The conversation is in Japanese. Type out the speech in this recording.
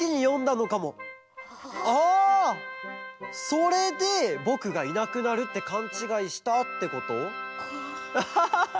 それでぼくがいなくなるってかんちがいしたってこと？